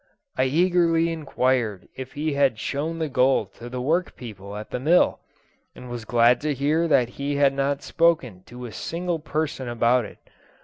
I eagerly inquired if he had shown the gold to the work people at the mill, and was glad to hear that he had not spoken to a single person about it.